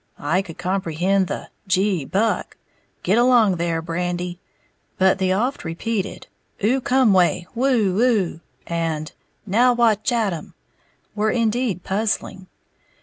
I could comprehend the "Gee, Buck!", "Git along there, Brandy!"; but the oft repeated "Oo cum weh, woo oo!", and "Now wa chat tum!" were indeed puzzling.